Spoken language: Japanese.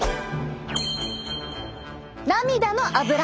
涙のアブラ！